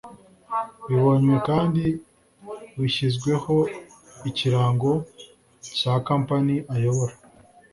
Bibonywe kandi bishyizweho ikirango cya kampani ayobora